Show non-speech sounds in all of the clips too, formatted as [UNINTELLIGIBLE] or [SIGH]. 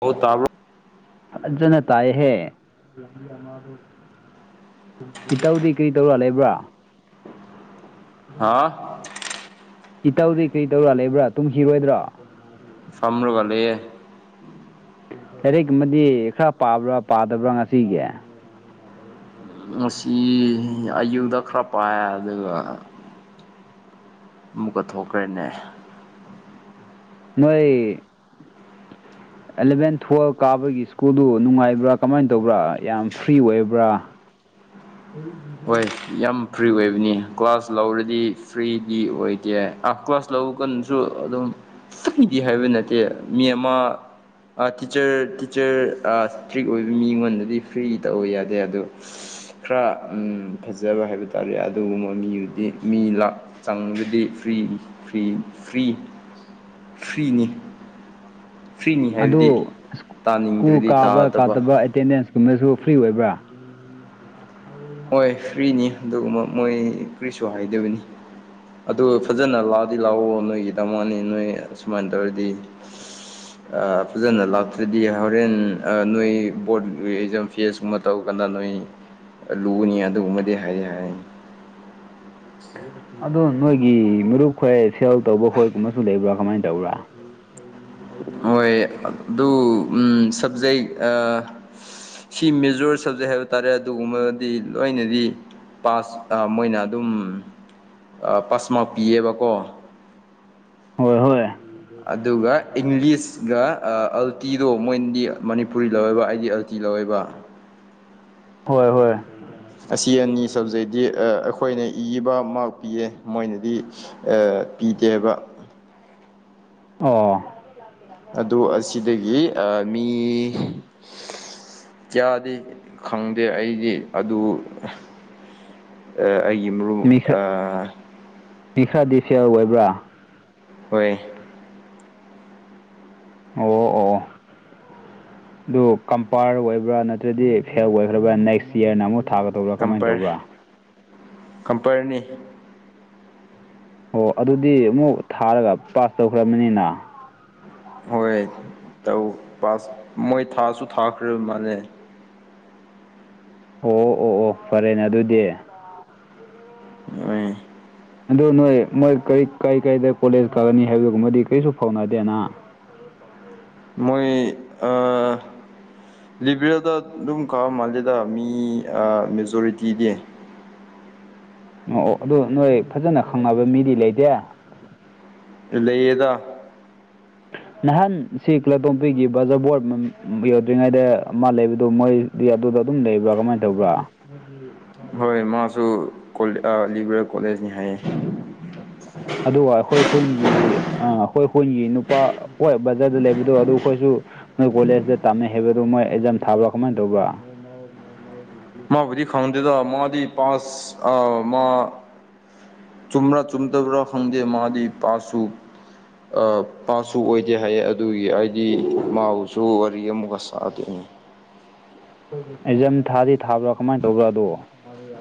ꯍ‌ꯣ ꯇꯥꯕ꯭ꯔ‌ꯣ ꯐꯖꯅ ꯇꯥꯏꯍ‌ꯦ ꯏꯇꯧꯗꯤ ꯀꯔꯤ ꯇꯧꯔ ꯂꯩꯕ꯭ꯔꯥ ꯍꯥꯥ ꯏꯇꯧꯗꯤ ꯀꯔꯤ ꯇꯧꯕꯔꯥ ꯂꯩꯕ꯭ꯔꯥ ꯇꯨꯝꯈꯤꯔꯣꯏꯗ꯭ꯔꯣ ꯐꯝ꯭ꯔꯨꯕꯂꯦ ꯂꯥꯏꯔꯤꯛꯃꯗꯤ ꯈꯔ ꯄꯥꯕ꯭ꯔꯥ ꯄꯥꯗꯕ꯭ꯔꯥ ꯉꯁꯤꯒꯤ ꯉꯁꯤ ꯑꯌꯨꯗ ꯈꯔ ꯄꯥꯏ ꯑꯗꯨꯒ ꯑꯃꯨꯛꯀꯠꯊꯣꯛꯈ꯭ꯔꯦꯅꯦ ꯅꯣꯏ [UNINTELLIGIBLE] ꯑꯦꯂꯚꯦꯟ ꯇꯨꯋꯦꯜꯕ ꯀꯥꯕꯒꯤ ꯁ꯭ꯀꯨꯜꯗꯨ ꯅꯨꯡꯉꯥꯏꯕ꯭ꯔꯥ ꯀꯃꯥꯏꯅ ꯇꯧꯕ꯭ꯔꯥ ꯌꯥꯝ ꯐ꯭ꯔꯤ ꯑꯣꯏꯕ꯭ꯔꯥ ꯍ ꯍꯣꯏ ꯌꯥꯝ ꯐ꯭ꯔꯤ ꯑꯣꯏꯕꯅꯤ ꯀ꯭ꯂꯥꯁ ꯂꯧꯔꯗꯤ ꯐ꯭ꯔꯤꯗꯤ ꯑꯣꯏꯗꯦ ꯑ ꯀ꯭ꯂꯥꯁ ꯂꯧ ꯀꯩꯅꯁꯨ ꯑꯗꯨꯝꯗꯤ ꯍꯥꯏꯕ ꯅꯠꯇꯦ ꯃꯤ ꯑꯃ ꯇꯤꯆꯔ ꯇꯤꯆꯔ ꯏꯁꯇ꯭ꯔꯤꯛ ꯑꯣꯏꯕ ꯃꯤꯉꯣꯟꯗꯗꯤ ꯐ꯭ꯔꯤ ꯇꯧꯕ ꯌꯥꯗꯦ ꯑꯗꯣ ꯈꯔ ꯐꯖꯕ ꯍꯥꯏꯕ ꯇꯥꯔꯦ ꯑꯗꯨꯒꯨꯝꯕ ꯃꯤꯗꯨꯗꯤ ꯃꯤ ꯂ ꯆꯪꯕꯗꯤ ꯐ꯭ꯔꯤ ꯐꯔꯤ ꯐ꯭ꯔꯤ ꯐ꯭ꯔꯤꯅꯤ ꯐ꯭ꯔꯤꯅꯤ ꯑꯗꯨ ꯍꯥꯏꯕꯗꯤ ꯁ꯭ꯀꯨꯜ ꯇꯥꯅꯤꯡꯗ꯭ꯔꯗꯤ ꯀꯥꯕ ꯇꯥꯗꯕ ꯀꯥꯗꯕ ꯑꯦꯇꯦꯟꯗꯦꯟꯁ ꯀꯨꯝꯕꯁꯨ ꯐ꯭ꯔꯤ ꯑꯣꯏꯕ꯭ꯔꯥ ꯍꯣꯏ ꯐ꯭ꯔꯤꯅꯤ ꯑꯗꯨꯒꯨꯝꯕ ꯃꯣꯏ ꯀꯔꯤꯁꯨ ꯍꯥꯏꯗꯕꯅꯤ ꯑꯗꯨꯒ ꯐꯖꯅ ꯂꯥꯛꯑꯣꯗꯤ ꯂꯥꯛꯑꯣ ꯅꯣꯏꯒꯤꯗꯃꯛꯅꯤ ꯅꯣꯏ ꯁꯨꯃꯥꯏꯅ ꯇꯧꯔꯗꯤ ꯎ ꯐꯖꯅ ꯂꯥꯛꯇ꯭ꯔꯗꯤ ꯍꯣꯔꯦꯟ ꯅꯣꯏ ꯕꯣꯔꯠ ꯑꯦꯛꯖꯥꯝ ꯐꯦꯁꯀꯨꯝꯕ ꯇꯧꯔ ꯀꯥꯟꯗ ꯅꯣꯏ ꯂꯨꯅꯤ ꯑꯗꯨꯒꯨꯝꯕꯗꯤ ꯍꯥꯏꯌꯦ ꯍꯥꯏꯅꯤ ꯑꯗꯣ ꯅꯣꯏꯒꯤ ꯃꯔꯨꯞ ꯈꯣꯏ ꯁꯦꯜ ꯇꯧꯕ ꯈꯣꯏꯒꯨꯝꯕꯁꯨ ꯂꯩꯕ꯭ꯔꯥ ꯀꯃꯥꯏꯅ ꯇꯧꯕ꯭ꯔꯥ ꯍꯣꯏ ꯑꯗꯨ ꯁꯕꯖꯦꯛ ꯁꯤ ꯃꯦꯖꯣꯔ ꯁꯞꯖꯦꯛ ꯍꯥꯏꯕ ꯇꯥꯔꯦ ꯑꯗꯨꯒꯨꯝꯕꯗꯤ ꯂꯣꯏꯅꯗꯤ ꯄꯥꯁ ꯃꯣꯏꯅ ꯑꯗꯨꯝ ꯄꯥꯁꯃ ꯄꯤꯌꯦꯕꯀꯣ ꯍꯣꯏ ꯍꯣꯏ ꯑꯗꯨꯒ ꯏꯪꯂꯤꯁꯒ ꯑꯜꯇꯤꯗꯣ ꯃꯣꯏꯗꯤ ꯃꯅꯤꯄꯨꯔꯤ ꯂꯧꯋꯦꯕ ꯑꯩꯗꯤ ꯑꯜꯇꯤ ꯂꯧꯋꯦꯕ ꯍꯣꯏ ꯍꯣꯏ ꯑꯁꯤ ꯑꯅꯤ ꯁꯕꯖꯦꯛꯇꯤ ꯑꯩꯈꯣꯏꯅ ꯏꯕ ꯃꯥꯛ ꯄꯤꯌꯦ ꯃꯣꯏꯅꯗꯤ ꯄꯤꯗꯦꯕ ꯑꯣ ꯑꯗꯨ ꯑꯁꯤꯗꯒꯤ ꯃꯤ ꯌꯗꯦ ꯈꯪꯗꯦ ꯑꯩꯗꯤ ꯑꯗꯨ ꯑꯩꯒꯤ ꯃꯔꯨꯞ ꯃꯤ ꯈꯔ ꯃꯤ ꯈꯔꯗꯤ ꯁꯦꯟ ꯑꯣꯏꯕ꯭ꯔꯥ ꯍꯣꯏ ꯑꯣ ꯑꯣ ꯑꯗꯨ ꯀꯝꯄꯥꯔ ꯑꯣꯏꯕ꯭ꯔꯥ ꯅꯠꯇ꯭ꯔꯗꯤ ꯐꯦꯜ ꯑꯣꯏꯈ꯭ꯔꯕ꯭ꯔꯥ ꯅꯦꯛꯁ ꯌꯌꯥꯔꯅ ꯑꯃꯨꯛ ꯊꯥꯕ ꯀꯝꯄꯔ ꯀꯝꯄꯔꯅꯤ ꯑꯣ ꯑꯗꯨꯗꯤ ꯑꯃꯨꯛ ꯊꯥꯔꯒ ꯄꯥꯁ ꯇꯧꯈ꯭ꯔꯕꯕꯅꯤꯅ ꯍꯣꯏ ꯇꯧ ꯄꯥꯁ ꯃꯣꯏ ꯊꯥꯁꯨ ꯊꯥꯈ꯭ꯔꯦꯕ ꯃꯥꯜꯅꯦ ꯑꯣ ꯑꯣ ꯑꯣ ꯑꯣ ꯐꯔꯦꯅꯦ ꯑꯗꯨꯗꯤ ꯑ ꯑꯗꯨ ꯅꯣꯏ ꯃꯣꯏ ꯀꯔꯤ ꯀꯥꯏ ꯀꯥꯏꯗ ꯀꯣꯂꯦꯖ ꯀꯛꯑꯅꯤ ꯍꯥꯏꯕꯒꯨꯝꯕꯗꯤ ꯀꯔꯤꯁꯨ ꯐꯥꯎꯅꯗꯦꯅꯥ ꯍꯝ ꯍ ꯍ ꯃꯣꯏ ꯂꯤꯕꯔꯦꯜꯗ ꯑꯗꯨꯝ ꯀꯕ ꯃꯥꯜꯂꯤꯗ ꯃꯤ ꯃꯦꯖꯣꯔꯤꯇꯤꯗꯤ ꯑꯣ ꯑꯣ ꯑꯗꯨ ꯅꯣꯏ ꯐꯖꯅ ꯈꯪꯅꯕ ꯃꯤꯗꯤ ꯂꯩꯇꯦ ꯂꯩꯌꯦꯗ ꯅꯍꯥꯟ ꯁꯤ ꯀ꯭ꯂꯥꯇꯣꯝꯄꯤꯒꯤ ꯕꯖꯥꯔ ꯕꯣꯠ ꯌꯧꯗ꯭ꯔꯤꯉꯩꯗ ꯃꯥ ꯂꯩꯕꯗꯣ ꯃꯣꯏ ꯑꯗꯨꯗ ꯑꯗꯨꯝ ꯂꯩꯕ꯭ꯔꯥ ꯀꯃꯥꯏꯅ ꯇꯧꯕ꯭ꯔꯥ ꯃꯒꯤ ꯍꯣꯏ ꯃꯥꯁꯨ ꯂꯤꯕꯔꯦꯜ ꯀꯣꯂꯦꯖꯅꯤ ꯍꯥꯏꯌꯦ [UNINTELLIGIBLE] ꯑꯗꯨꯒ ꯑꯩꯈꯣꯏ ꯈꯨꯟꯒꯤ ꯑ ꯑꯩꯈꯣꯏ ꯈꯨꯟꯒꯤ ꯅꯨꯄꯥ ꯍꯣꯏ ꯕꯖꯥꯔꯗ ꯂꯩꯕꯗꯣ ꯑꯗꯨ ꯈꯣꯏꯁꯨ ꯅꯣꯏ ꯀꯣꯂꯦꯖꯇ ꯇꯝꯃꯦ ꯍꯥꯏꯕꯗꯨ ꯃꯣꯏ ꯑꯦꯛꯖꯥꯝ ꯊꯥꯕ꯭ꯔꯥ ꯀꯃꯥꯏꯅ ꯇꯧꯕ꯭ꯔꯥ ꯃꯕꯨꯗꯤ ꯈꯪꯗꯦꯗ ꯃꯗꯤ ꯄꯁ ꯑ ꯃ ꯆꯨꯝꯕ꯭ꯔꯥ ꯆꯨꯝꯗꯕ꯭ꯔꯥ ꯈꯪꯗꯦ ꯃꯥꯗꯤ ꯄꯥꯁ ꯁꯨ ꯄꯥꯁ ꯁꯨ ꯑꯣꯏꯗꯦ ꯍꯥꯏꯌꯦ ꯑꯗꯨꯒꯤ ꯍꯥꯏꯗꯤ ꯃꯥꯁꯨ ꯋꯥꯔꯤ ꯑꯃꯨꯛꯀ ꯁꯥꯗꯣꯏꯅꯤ ꯑꯦꯛꯖꯝ ꯊꯥꯗꯤ ꯊꯥꯕ꯭ꯔꯥ ꯀꯃꯥꯏꯅ ꯇꯧꯕ꯭ꯔꯥ ꯑꯗꯣ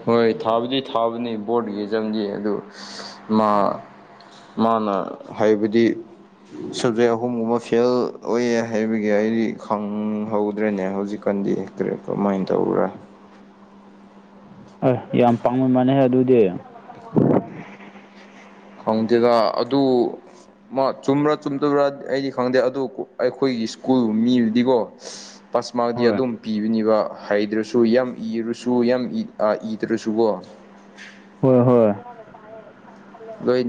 ꯍꯣꯏ ꯊꯥꯕꯨꯗꯤ ꯊꯥꯕꯅꯤ ꯕꯣꯔꯠ ꯌꯦ ꯆꯝꯗꯤ ꯑꯗꯨ ꯃꯥ ꯃꯥꯅ ꯍꯥꯏꯕꯗꯤ ꯁꯕꯖꯦꯛ ꯑꯍꯨꯝꯒꯨꯝꯕ ꯐꯦꯜ ꯑꯣꯏꯌꯦ ꯍꯥꯏꯕꯒꯤ ꯑꯩꯗꯤ ꯈꯪꯍꯧꯗ꯭ꯔꯦꯅꯦ ꯍꯧꯖꯤꯛꯀꯥꯟꯗꯤ ꯀꯔꯤ ꯀꯃꯥꯏꯅ ꯇꯧꯕ꯭ꯔꯥ ꯌꯦ ꯌꯥꯝ ꯄꯥꯡꯕ ꯃꯥꯟꯂꯦ ꯑꯗꯨꯗꯤ ꯈꯪꯗꯦꯗ ꯑꯗꯨ ꯃꯥ ꯆꯨꯝꯕ꯭ꯔꯥ ꯆꯨꯝꯗꯕ꯭ꯔꯥ ꯑꯩꯗꯤ ꯈꯪꯗꯦ ꯑꯗꯨ ꯑꯩꯈꯣꯏꯒꯤ ꯁ꯭ꯀꯨꯜ ꯃꯤꯕꯨꯗꯤꯀꯣ ꯄꯥꯁ ꯃꯥꯛꯗꯤ ꯍꯣꯏ ꯑꯗꯨꯝ ꯄꯤꯕꯅꯤꯕ ꯍꯩꯗ꯭ꯔꯁꯨ ꯌꯥꯝ ꯏꯔꯨꯁꯨ ꯌꯥꯝ ꯏꯗ꯭ꯔꯁꯨꯀꯣ ꯍꯣꯏ ꯍꯣꯏ ꯂꯣꯏ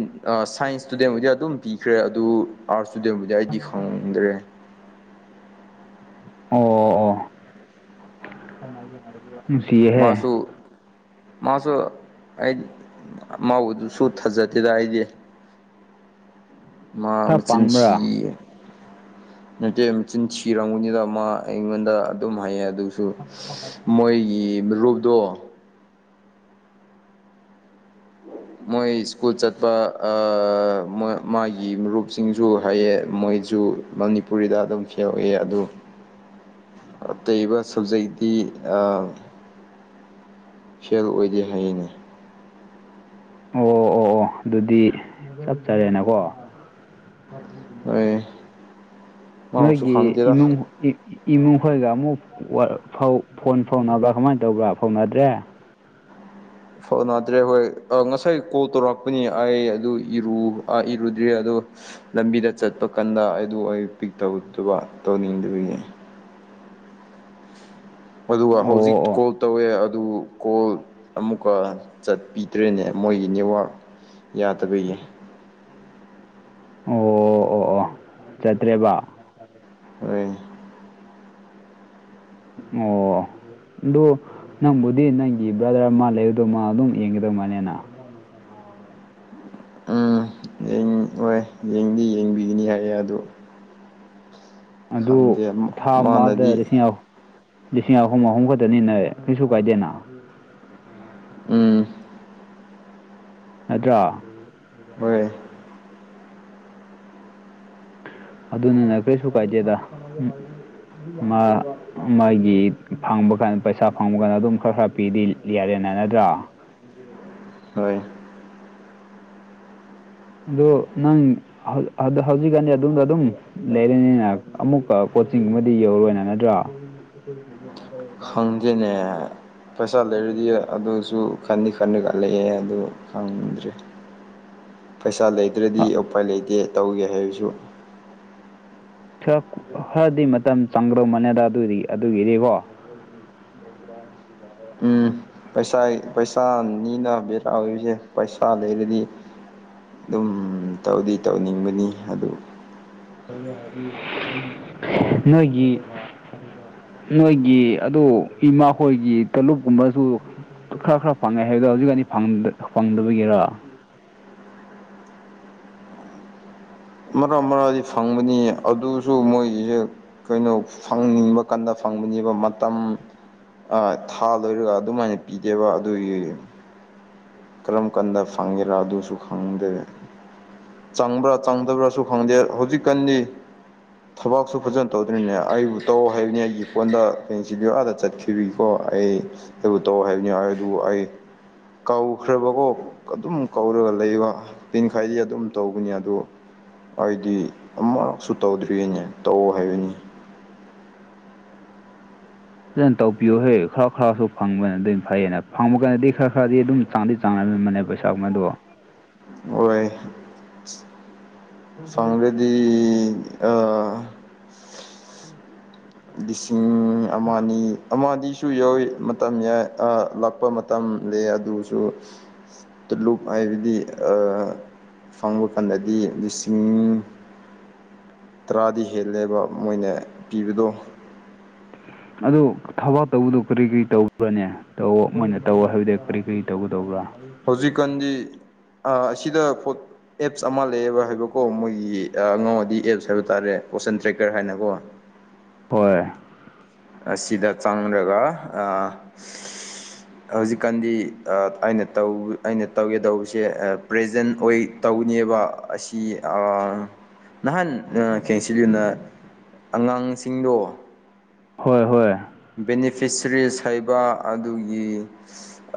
ꯁꯥꯏꯟꯁ ꯏꯁ꯭ꯇꯨꯗꯦꯟꯕꯨꯗꯤ ꯑꯗꯨꯝ ꯄꯤꯈ꯭ꯔꯦ ꯑꯗꯨ ꯑꯥꯔꯠꯁ ꯁ꯭ꯇꯨꯗꯦꯟꯕꯨꯗꯤ ꯑꯩꯗꯤ ꯈꯪꯗ꯭ꯔꯦ ꯑꯣ ꯑꯣ ꯅꯨꯡꯁꯤꯌꯦꯍꯦ ꯃꯥꯁꯨ ꯃꯥꯁꯨ ꯑꯩ ꯃꯥꯕꯨꯗꯨꯁꯨ ꯊꯥꯖꯗꯦꯗ ꯑꯩꯗꯤ ꯃꯥ ꯈꯔ ꯃꯆꯤꯟ ꯄꯪꯕ꯭ꯔꯥ ꯊꯤꯌꯦ ꯅꯠꯇꯦ ꯃꯆꯤꯟ ꯊꯤꯔꯝꯒꯅꯤꯗ ꯃ ꯑꯩꯉꯣꯟꯗ ꯑꯗꯨꯝ ꯍꯥꯏꯌꯦ ꯑꯗꯨ ꯑꯗꯨ ꯃꯣꯏꯒꯤ ꯃꯔꯨꯞꯇꯣ ꯃꯣꯏ ꯁ꯭ꯀꯨꯜ ꯆꯠꯄ ꯃꯥꯒꯤ ꯃꯔꯨꯞꯁꯤꯡꯁꯨ ꯍꯥꯏꯌꯦ ꯃꯣꯏꯁꯨ ꯃꯅꯤꯄꯨꯔꯤꯗ ꯑꯗꯨꯝ ꯐꯦꯟ ꯑꯣꯢꯌꯦ ꯑꯗꯨ ꯑꯇꯩꯕ ꯁꯕꯖꯦꯛꯇꯤ ꯑ ꯐꯦꯜ ꯑꯣꯏꯗꯦ ꯍꯥꯏꯌꯦꯅꯦ ꯑꯣ ꯑꯣ ꯑꯣ ꯑꯗꯨꯗꯤ ꯆꯞꯆꯔꯦꯅꯀꯣ ꯍꯣꯏ ꯃꯥꯕꯨꯁꯨ ꯅꯣꯏꯒꯤ ꯈꯪꯗꯦꯗ ꯏꯃꯨꯡ ꯏꯃꯨꯡ ꯈꯣꯏꯒ ꯑꯃꯨꯛ ꯐꯧ ꯐꯣꯟ ꯐꯥꯎꯅꯕ꯭ꯔꯥ ꯀꯃꯥꯏ ꯇꯧꯕ꯭ꯔꯥ ꯐꯥꯎꯅꯗ꯭ꯔꯦ ꯐꯅꯗ꯭ꯔꯦ ꯍꯣꯏ ꯉꯁꯥꯏ ꯀꯣꯜ ꯇꯧꯔꯛꯄꯅꯤ ꯑꯩ ꯑꯗꯨ ꯏꯔꯨ ꯏꯔꯨꯗ꯭ꯔꯤ ꯑꯗꯣ ꯂꯝꯕꯤꯗ ꯆꯠꯄ ꯀꯥꯟꯗ ꯑꯗꯨ ꯑꯩ ꯄꯤꯛ ꯇꯧꯗꯕ ꯇꯧꯅꯤꯡꯗꯕꯒꯤ ꯑꯗꯨꯒ ꯑꯣ ꯍꯧꯖꯤꯛ ꯑꯣ ꯀꯣꯜ ꯇꯧꯋꯦ ꯑꯗꯨ ꯀꯣꯜ ꯑꯃꯨꯛꯀ ꯆꯠꯄꯤꯗ꯭ꯔꯦꯅꯦ ꯃꯣꯏꯒꯤ ꯅꯦꯠꯋꯥꯛ ꯌꯥꯗꯕꯒꯤ ꯑꯣ ꯑꯣ ꯑꯣ ꯆꯠꯇ꯭ꯔꯦꯕ ꯍꯣꯏ ꯑꯣ ꯑꯗꯨ ꯅꯪꯕꯨꯗꯤ ꯅꯪꯒꯤ ꯕ꯭ꯔꯗꯔ ꯃꯥ ꯂꯩꯕꯗꯣ ꯃꯥ ꯑꯗꯨꯝ ꯌꯦꯡꯒꯗꯧ ꯃꯥꯜꯂꯅ ꯎꯝ ꯍꯣꯏ ꯌꯦꯡꯗꯤ ꯌꯦꯡꯕꯤꯒꯅꯤ ꯍꯥꯏꯌꯦ ꯑꯗꯨ ꯑꯗꯨ ꯈꯪꯗꯦ ꯊꯥ ꯑꯃꯗ ꯃꯥꯅꯗꯤ ꯂꯤꯁꯤꯡ ꯑꯍꯨꯝ ꯂꯤꯁꯤꯡ ꯑꯍꯨꯝ ꯑꯍꯨꯝ ꯈꯛꯇꯅꯤꯅ ꯀꯩꯁꯨ ꯀꯥꯏꯗꯦꯅ ꯎꯝ ꯅꯠꯇ꯭ꯔꯥ ꯍꯣꯏ ꯑꯗꯨꯅꯤꯅ ꯀꯔꯤꯁꯨ ꯀꯥꯏꯗꯦꯗ ꯎ ꯃꯥ ꯃꯥꯒꯤ ꯐꯪꯕ ꯀꯥꯟ ꯄꯩꯁꯥ ꯐꯪꯕ ꯀꯥꯟꯗ ꯑꯗꯨꯝ ꯈꯔ ꯈꯔ ꯄꯤꯗꯤ ꯂꯤꯌꯥꯔꯦꯟꯅ ꯅꯗ꯭ꯔꯣ ꯍꯣꯏ ꯑꯗꯣ ꯅꯪ ꯍꯧꯖꯤꯛꯀꯥꯟꯗꯤ ꯑꯗꯣꯝꯗ ꯑꯗꯨꯝ ꯂꯩꯔꯦꯅꯤꯅ ꯑꯃꯨꯛꯀ ꯀꯣꯆꯤꯡꯒꯨꯝꯕꯗꯤ ꯌꯧꯔꯔꯣꯏꯅ ꯅꯠꯇ꯭ꯔꯣ [INAUDIBLE] ꯈꯪꯗꯦꯅꯦ ꯄꯩꯁꯥ ꯂꯩꯔꯗꯤ ꯑꯗꯨꯁꯨ ꯈꯟꯗꯤ ꯈꯟꯅꯒꯥ ꯂꯩꯌꯦ ꯑꯗꯨ ꯈꯪꯗ꯭ꯔꯤ ꯄꯩꯁꯥ ꯂꯩꯇꯔꯥꯗꯤ ꯎꯄꯥꯏ ꯂꯩꯇꯦ ꯇꯧꯒꯦ ꯍꯥꯏꯕꯁꯨ ꯈꯔ ꯈꯔꯗꯤ ꯃꯇꯝ ꯆꯥꯡꯒ꯭ꯔꯝ ꯃꯅꯦꯗ ꯑꯗꯨꯗꯤ ꯑꯗꯨꯒꯤꯗꯤꯀꯣ ꯎꯝ ꯄꯩꯁꯥ ꯄꯩꯁꯥꯅꯤꯅ ꯕꯦꯔꯥ ꯑꯣꯏꯔꯤꯁꯦ ꯄꯩꯁꯥ ꯂꯩꯔꯗꯤ ꯑꯗꯨꯝ ꯇꯧꯗꯤ ꯇꯧꯅꯤꯡꯕꯅꯤ ꯑꯗꯨ [UNINTELLIGIBLE] ꯅꯣꯏꯒꯤ ꯅꯣꯏꯒꯤ ꯑꯗꯨ ꯏꯃꯥ ꯍꯣꯏꯒꯤ ꯇꯣꯂꯨꯞꯀꯨꯝꯕꯁꯨ ꯈꯔ ꯈꯔ ꯐꯪꯉꯦ ꯍꯥꯏꯕꯗꯣ ꯍꯧꯖꯤꯛꯀꯅꯤ ꯐꯪꯗ ꯐꯪꯗꯕꯒꯤꯔꯥ ꯃꯔꯥ ꯃꯔꯥꯗꯤ ꯐꯪꯕꯅꯤ ꯑꯗꯨꯁꯨ ꯃꯣꯏꯒꯤꯍꯦꯛ ꯀꯩꯅꯣ ꯐꯪꯅꯤꯡꯕ ꯀꯥꯟꯗ ꯐꯪꯕꯅꯦꯕ ꯃꯇꯝ ꯊꯥ ꯂꯣꯏꯔꯒ ꯑꯗꯨꯃꯥꯏꯅ ꯄꯤꯗꯦꯕ ꯑꯗꯨꯒꯤ ꯀꯔꯝ ꯀꯥꯟꯗ ꯐꯪꯒꯦꯔꯥ ꯑꯗꯨꯁꯨ ꯈꯪꯗꯦ ꯆꯪꯕ꯭ꯔꯥ ꯆꯪꯗꯕ꯭ꯔꯥꯁꯨ ꯈꯪꯗꯦ ꯍꯧꯖꯤꯛꯀꯥꯟꯗꯤ ꯊꯕꯛꯁꯨ ꯐꯖꯅ ꯇꯧꯗ꯭ꯔꯤꯅꯦ ꯑꯩꯕꯨ ꯇꯧ ꯍꯥꯏꯕꯅꯤ ꯑꯩꯒꯤ ꯐꯣꯟꯗ ꯀꯩꯅ [UNINTELLIGIBLE] ꯄꯤꯕꯤꯀꯣ ꯑꯩ ꯑꯩꯕꯨ ꯇꯧ ꯍꯥꯏꯕꯅꯤ ꯑꯗꯨꯕꯨ ꯑꯩ ꯀꯧ ꯈ꯭ꯔꯕꯀꯣ ꯑꯗꯨꯝ ꯀꯧꯔꯒ ꯂꯩꯕ ꯄꯤꯟ ꯈꯥꯏꯗꯤ ꯑꯗꯨꯝ ꯇꯧꯕꯅꯤ ꯑꯗꯣ ꯍꯥꯏꯗꯤ ꯑꯃꯨꯔꯛꯁꯨ ꯇꯧꯗ꯭ꯔꯤꯅꯦ ꯇꯧ ꯍꯥꯏꯕꯅꯤ ꯐꯖꯅ ꯇꯧꯕꯤꯌꯨ ꯍꯦ ꯈꯔꯥ ꯈꯔꯥꯁꯨ ꯐꯪꯕꯅ ꯑꯗꯨ ꯐꯩꯌꯦꯅ ꯐꯪꯕ ꯀꯥꯟꯗꯗꯤ ꯈꯔ ꯈꯔꯗꯤ ꯑꯗꯨꯝ ꯆꯥꯡꯗꯤ ꯆꯥꯡꯅꯔꯝꯕꯅꯦ ꯄꯩꯁꯥꯒꯨꯝꯕꯗꯣ ꯍꯣꯏ ꯐꯪꯔꯗꯤ ꯑ [INAUDIBLE] ꯂꯤꯁꯤꯡ ꯑꯃ ꯑꯅꯤ ꯑꯃꯗꯤꯁꯨ ꯌꯥꯎꯋꯤ ꯃꯇꯝ ꯌꯥꯏ ꯑ ꯂꯥꯛꯄ ꯃꯇꯝꯂꯦ ꯑꯗꯨꯁꯨ ꯇꯨ ꯂꯨꯞ ꯍꯥꯏꯕꯗꯤ ꯐꯪꯕ ꯀꯥꯟꯗꯗꯤ ꯂꯤꯁꯤꯡ ꯇꯔꯥꯗꯤ ꯍꯦꯜꯂꯦꯕ ꯃꯣꯏꯅ ꯄꯤꯕꯗꯣ ꯑꯗꯨ ꯊꯕꯥꯛ ꯇꯧꯕꯗꯨꯣ ꯀꯔꯤ ꯀꯔꯤ ꯇꯧꯕ꯭ꯔꯅꯦ ꯇꯧ ꯃꯣꯏꯅ ꯇꯧ ꯍꯥꯏꯕꯗꯤ ꯀꯔꯤ ꯀꯔꯤ ꯇꯧꯒꯗꯧꯕ꯭ꯔꯥ ꯍꯧꯖꯤꯛꯀꯥꯟꯗꯤ ꯑꯁꯤꯗ ꯐꯣꯠ ꯑꯦꯞꯁ ꯑꯃ ꯂꯩꯌꯦꯦꯕ ꯍꯥꯏꯕꯀꯣ ꯃꯣꯏ ꯑꯉꯥꯡꯋꯥꯗꯤ ꯑꯦꯞꯁ ꯍꯥꯏꯕ ꯇꯥꯔꯦ ꯄꯣꯁꯟ ꯇ꯭ꯔꯦꯛꯀꯔ ꯍꯥꯏꯅꯀꯣ ꯍꯣꯏ ꯑꯁꯤꯗ ꯆꯪꯔꯒ ꯑ ꯍꯧꯖꯤꯛꯀꯥꯟꯗꯤ ꯑꯩꯅ ꯇꯧ ꯑꯩꯅ ꯇꯧꯒꯦꯇꯧꯕꯁꯦ ꯄ꯭ꯔꯖꯦꯟ ꯑꯣꯏ ꯇꯧꯅꯦꯕ ꯑꯁꯤ ꯑ ꯅꯍꯥꯟ ꯈꯦꯡꯁꯤꯜꯂꯨꯅ ꯑꯉꯥꯡꯁꯤꯡꯗꯣ ꯍꯣꯏ ꯍꯣꯏ ꯕꯦꯅꯤꯐꯤꯁꯔꯤꯁ ꯍꯥꯏꯕ ꯑꯗꯨꯒꯤ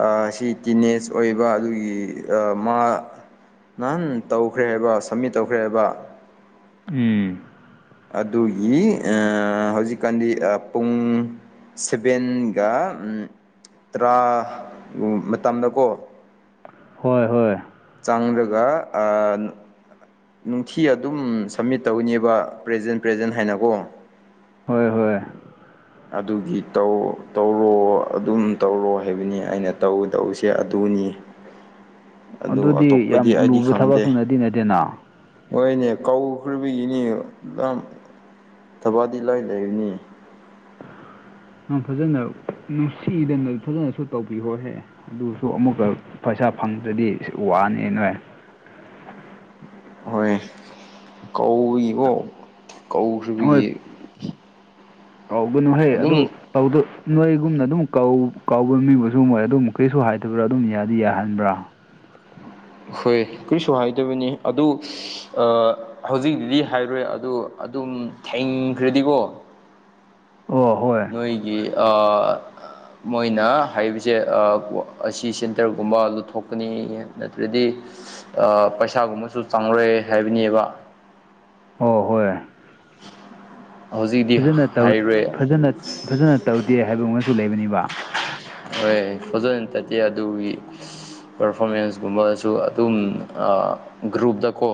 ꯑ ꯁꯤ ꯇꯤꯅꯦꯖ ꯑꯣꯏꯕ ꯑꯗꯨꯒꯤ ꯑ ꯃꯥ ꯅꯍꯟ ꯇꯧꯈ꯭ꯔꯦꯕ ꯍꯥꯏꯕ ꯁꯝꯃꯤꯠ ꯇꯧꯈ꯭ꯔꯦꯕ ꯎꯝ ꯑꯗꯨꯒꯤ ꯍꯧꯖꯤꯛꯀꯥꯟꯗꯤ ꯄꯨꯡ ꯁꯚꯦꯟꯒ ꯇꯔꯥ ꯃꯇꯝꯗ ꯀꯣ ꯍꯣꯏ ꯍꯣꯏ ꯆꯥꯡꯒꯔꯒ ꯅꯨꯡꯊꯤ ꯑꯗꯨꯝ ꯁꯝꯃꯤꯠ ꯇꯧꯅꯦꯕ ꯄ꯭ꯔꯖꯦꯟ ꯄ꯭ꯔꯖꯦꯟ ꯍꯥꯏꯅꯀꯣ ꯍꯣꯏ ꯍꯣꯏ ꯑꯗꯨꯒꯤ ꯇꯧ ꯇꯧꯔꯣ ꯑꯗꯨꯝ ꯇꯧꯔꯣ ꯍꯥꯏꯕꯅꯤ ꯑꯩꯅ ꯇꯧ ꯇꯧꯁꯦ ꯑꯗꯨꯅꯤ ꯑꯗꯨ ꯑꯗꯨꯗꯤ ꯑꯇꯣꯞꯄꯗꯤ ꯌꯥꯝ ꯑꯩꯗꯤ ꯂꯨꯕ ꯈꯪꯗꯦ ꯊꯕꯛꯁꯨ ꯅꯠꯇꯤ ꯅꯠꯇꯦꯅ ꯍꯣꯏꯅꯦ ꯀꯧꯈ꯭ꯔꯕꯒꯤꯅꯤ ꯌꯥꯝ ꯊꯕꯥꯗꯤ ꯏꯂꯥꯏ ꯂꯩꯕꯅꯤ ꯐꯖꯅ ꯅꯨꯡꯁꯤꯗꯅ ꯐꯖꯅꯁꯨ ꯇꯧꯕꯤꯍꯣꯍꯦ ꯑꯗꯨꯁꯨ ꯑꯃꯨꯛꯀ ꯄꯩꯁꯥ ꯐꯪꯗ꯭ꯔꯗꯤ ꯋꯥꯅꯤ ꯅꯣꯏ ꯍꯣꯏ ꯀꯧꯕꯒꯤꯀꯣ ꯀꯧꯕꯈꯔꯤꯕꯒꯤ ꯑꯧ ꯅꯨꯍꯩ ꯑꯗꯨ ꯑꯗꯨꯝ ꯧ ꯅꯣꯏꯒꯨꯝꯅ ꯑꯗꯨꯝ ꯀ ꯃꯤꯕꯨꯁꯨ ꯃꯣꯏ ꯑꯗꯨꯝ ꯀꯩꯁꯨ ꯍꯥꯏꯗꯕ꯭ꯔꯥ ꯑꯗꯨꯝ ꯌꯥꯗꯤ ꯌꯥꯍꯟꯕ꯭ꯔꯥ ꯍꯣꯏ ꯀꯔꯤꯁꯨ ꯍꯥꯏꯗꯕꯅꯤ ꯑꯗꯨ ꯍꯧꯖꯤꯛꯇꯛꯇꯗꯤ ꯍꯥꯏꯔꯣꯏ ꯑꯗꯨ ꯑꯗꯨꯝ ꯊꯦꯡꯈ꯭ꯔꯗꯤꯕꯣ ꯑꯣ ꯍꯣꯏ ꯅꯣꯏꯒꯤ ꯃꯣꯏꯅ ꯍꯥꯏꯕꯁꯦ ꯑꯁꯤ ꯁꯦꯟꯇꯔꯒꯨꯝꯕ ꯂꯧꯊꯣꯛꯀꯅꯤ ꯅꯠꯇ꯭ꯔꯗꯤ ꯄꯩꯁꯥꯒꯨꯝꯕꯁꯨ ꯆꯥꯡꯔꯦ ꯍꯥꯏꯕꯅꯦꯕ ꯑꯣ ꯍꯣꯏ ꯍꯧꯖꯤꯛꯇꯤ ꯐꯖꯅ ꯇꯧ ꯍꯥꯏꯔꯣꯏ ꯐꯖꯅ ꯐꯖꯅ ꯇꯧꯗꯦ ꯍꯥꯏꯕ ꯑꯃꯁꯨ ꯂꯩꯕꯅꯤꯕ ꯍꯣꯏ ꯐꯖꯅ ꯇꯠꯇꯦ ꯑꯗꯨꯒꯤ ꯄꯔꯐꯣꯔꯃꯦꯟꯁꯀꯨꯝꯕꯁꯨ ꯑꯗꯨꯝ ꯒ꯭ꯔꯨꯞꯇꯀꯣ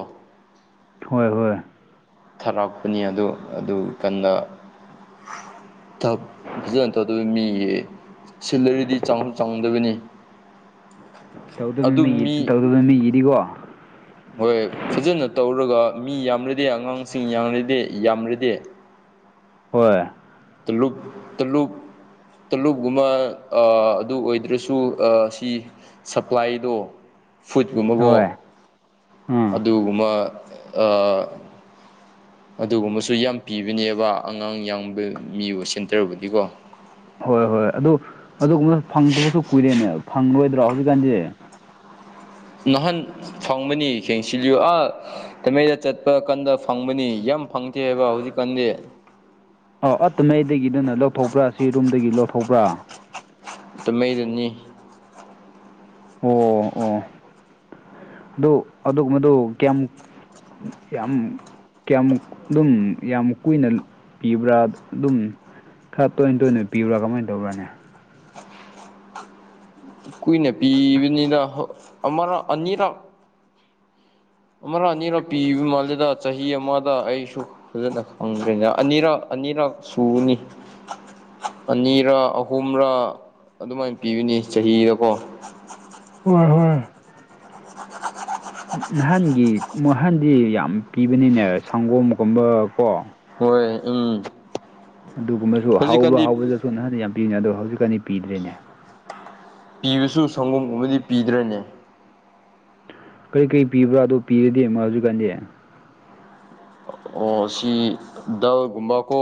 ꯍꯣꯏ ꯍꯣꯏ ꯊꯥꯔꯛꯄꯅꯤ ꯑꯗꯣ ꯑꯗꯨ ꯀꯟꯗ ꯇꯞ ꯐꯖꯅ ꯇꯧꯗꯕ ꯃꯤꯒꯤ ꯁꯤꯂꯔꯤꯗꯤ ꯆꯥꯎ ꯆꯥꯎꯍꯗꯕꯅꯤ ꯇꯧꯗꯕꯃꯤ ꯇꯧꯗꯕꯃꯤ ꯏꯔꯤꯒꯣ ꯍꯣꯏ ꯐꯖꯅ ꯇꯧꯔꯒ ꯃꯤ ꯌꯥꯝꯔꯗꯤ ꯑꯉꯥꯡꯁꯤꯡ ꯌꯥꯝꯔꯗꯤ ꯌꯥꯝꯔꯗꯤ ꯍꯣꯏ ꯇꯨꯂꯨꯨꯞ ꯇꯨꯂꯨꯛ ꯇꯂꯨꯞꯒꯨꯝꯕ ꯑꯗꯨ ꯑꯣꯏꯗ꯭ꯔꯁꯨ ꯁꯤ ꯁꯄ꯭ꯂꯥꯏꯗꯣ ꯐꯨꯗꯀꯨꯝꯕꯒꯣ ꯍꯣꯏ ꯑꯥ ꯑꯗꯨꯒꯨꯝꯕ ꯑꯗꯨꯒꯨꯝꯕꯁꯨ ꯌꯥꯝ ꯄꯤꯕꯅꯦꯕ ꯑꯉꯥꯡ ꯌꯥꯡꯕ ꯃꯤ ꯑꯣꯏ ꯁꯦꯟꯇꯔꯕꯨꯗꯤꯀꯣ ꯍꯣꯏ ꯍꯣꯏ ꯑꯗꯨ ꯑꯗꯨꯒꯨꯝꯕꯗ ꯐꯪꯗꯕꯁꯨ ꯀꯨꯏꯔꯦꯅꯦꯕ ꯐꯪꯂꯔꯣꯏꯗ꯭ꯔꯣ ꯍꯧꯖꯤꯛꯀꯥꯟꯗꯤ ꯅꯍꯥꯟ ꯐꯪꯕꯅꯤ ꯌꯦꯡꯁꯤꯜꯂꯤꯨ ꯑ ꯇꯃꯩꯗ ꯆꯠꯄ ꯀꯥꯟꯗ ꯐꯪꯕꯅꯤ ꯌꯥꯝ ꯐꯪꯗꯦ ꯍꯥꯏꯕ ꯍꯧꯖꯤꯛꯀꯥꯟꯗꯤ ꯑꯧ ꯑꯠꯇ ꯃꯩꯗꯒꯤ ꯅꯪꯅ ꯂꯧꯊꯣꯛꯄ꯭ꯔꯥ ꯁꯤ ꯔꯨꯝꯗꯒꯤ ꯂꯧꯊꯣꯛꯄ꯭ꯔꯥ ꯑꯗꯨ ꯃꯩꯗꯅꯤ ꯑꯣ ꯑꯣ ꯑꯗꯨ ꯑꯗꯨ ꯃꯗꯨ ꯀꯌꯥꯝ ꯌꯥꯝ ꯀꯌꯥꯃꯨ ꯑꯗꯨꯝ ꯌꯥꯝ ꯀꯨꯏꯅ ꯄꯤꯕ꯭ꯔꯥ ꯑꯗꯨꯝ ꯈꯔ ꯇꯣꯏꯅ ꯇꯣꯏꯅ ꯄꯤꯕ꯭ꯔꯥ ꯀꯃꯥꯏꯅ ꯇꯧꯔꯅꯦ ꯀꯏꯅ ꯄꯤꯕꯅꯤꯗ ꯑꯔ ꯑꯅꯤꯔ ꯑꯃꯔ ꯑꯅꯤꯔ ꯄꯤꯕ ꯃꯥꯜꯂꯦꯗ ꯆꯍꯤ ꯑꯃꯗ ꯑꯩꯁꯨ ꯐꯖꯅ ꯈꯪꯗ꯭ꯔꯦꯅꯦ ꯑꯅꯤꯔꯛ ꯑꯅꯤꯔꯛ ꯁꯨꯅꯤ ꯑꯅꯤꯔ ꯑꯍꯨꯝꯔ ꯑꯗꯨꯃꯥꯏꯅ ꯄꯤꯕꯅꯤ ꯆꯍꯤꯗꯀꯣ ꯍꯣꯏ ꯍꯣꯏ ꯦ ꯅꯍꯥꯟꯒꯤ ꯅꯍꯥꯟꯗꯤ ꯌꯥꯝ ꯄꯤꯕꯅꯤꯅꯦ ꯁꯪꯒꯣꯝꯒꯨꯝꯕ ꯀꯣ ꯍꯣꯏ ꯎꯝ ꯑꯗꯨꯒꯨꯝꯕꯁꯨ ꯍꯥꯎꯕ ꯍꯧꯖꯤꯛꯀꯥꯟꯗꯤ ꯍꯥꯎꯕꯗꯁꯨꯠ ꯅꯍꯥꯟꯗꯤ ꯌꯥꯝ ꯄꯤꯕꯅꯦ ꯑꯗꯣ ꯍꯧꯖꯤꯛꯀꯥꯟꯗꯤ ꯄꯤꯗ꯭ꯔꯤꯅꯦ ꯄꯤꯕꯁꯨ ꯁꯪꯒꯣꯝꯒꯨꯝꯕ ꯄꯤꯗ꯭ꯔꯅꯦ ꯀꯔꯤ ꯀꯔꯤ ꯄꯤꯕ꯭ꯔꯥ ꯑꯗꯨꯣ ꯄꯤꯔꯗꯤꯦꯝꯃ ꯍꯧꯖꯤꯛ ꯀꯥꯟꯗꯤ ꯑꯣ ꯁꯤ ꯗꯜꯒꯨꯝꯕꯀꯣ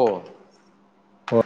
ꯍꯣꯏ